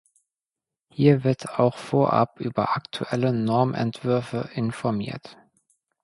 Hier wird auch vorab über aktuelle Norm-Entwürfe informiert.